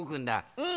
うん。